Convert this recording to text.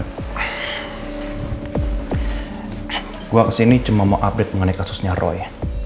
saya ke sini cuma mau update mengenai kasusnya roy